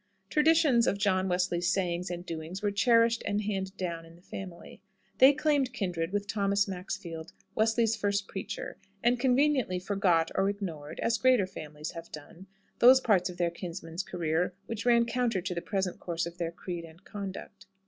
Traditions of John Wesley's sayings and doings were cherished and handed down in the family. They claimed kindred with Thomas Maxfield, Wesley's first preacher, and conveniently forgot or ignored as greater families have done those parts of their kinsman's career which ran counter to the present course of their creed and conduct.